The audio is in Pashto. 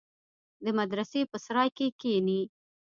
د مدرسې په سراى کښې کښېني.